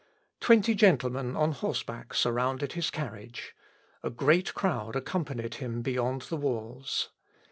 Twenty gentlemen on horseback surrounded his carriage. A great crowd accompanied him beyond the walls.